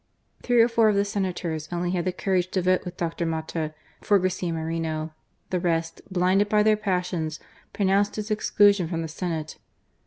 Three or four of the Senators only had the courage to vote with Dr. Mata for Garcia Moreno ; the rest, blinded by their passions, pronounced his exclusion from the Senate.